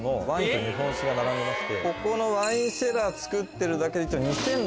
ここのワインセラー作ってるだけで。